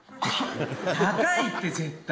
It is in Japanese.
高いって絶対！